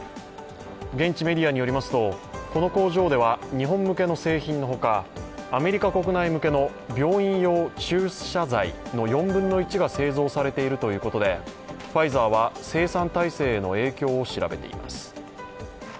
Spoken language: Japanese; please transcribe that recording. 現地メディアによりますとこの工場では日本向けの製品のほかアメリカ国内向けの病院用注射剤の４分の１が製造されているということで、ファイザーは生産体制への影響を調べています。